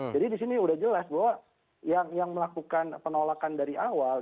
jadi di sini udah jelas bahwa yang melakukan penolakan dari awal